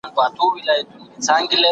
هغه وويل چي درسونه لوستل کول مهم دي!.